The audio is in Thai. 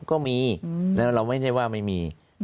ก็มีแล้วเราไม่ได้ว่าไม่มี